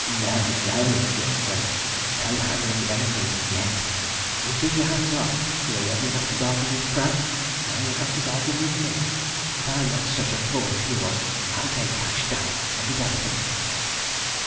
"No no!" she exclaimed. "No handling of anything yet! You keep your hands off! You were ready enough to bargain with Pratt now you'll have to bargain with me. But I'm not such a fool as he was I'll take cash down, and be done with it."